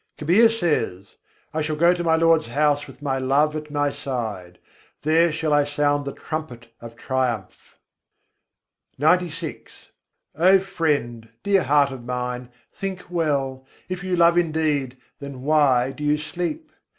Kabîr says, "I shall go to my Lord's house with my love at my side; then shall I sound the trumpet of triumph!" XCVI I. 75. samajh dekh man mît piyarwâ O friend, dear heart of mine, think well! if you love indeed, then why do you sleep?